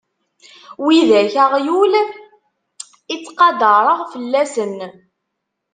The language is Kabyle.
Widak aɣyul i ttqadareɣ fell-asen.